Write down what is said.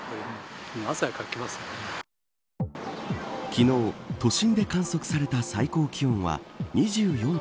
昨日、都心で観測された最高気温は２４．７度。